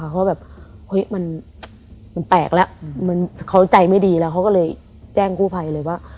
เพราะแบบเฮ้ยมันแปลกแล้วเหมือนเขาใจไม่ดีแล้วเขาก็เลยแจ้งกู้ภัยเลยว่า